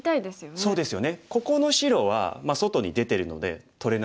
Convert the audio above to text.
そうですね。